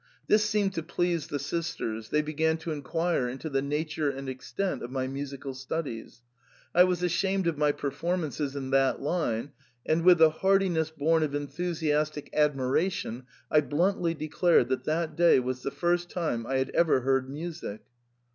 This seemed to please the sisters ; they began to inquire into the nature and extent of my musical studies ; I was ashamed of my performances in that line, and with the hardihood bom of enthusiastic ad miration, I bluntly declared that that day was the first time I had ever heard music.